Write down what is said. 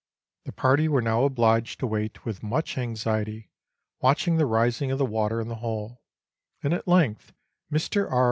The party were now obliged to wait with much anxiety, watching the rising of the water in the hole; and at length Mr. R.